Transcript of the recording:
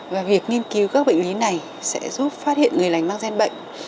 và việc nghiên cứu các bệnh lý này sẽ giúp phát hiện người lành mắc zen bệnh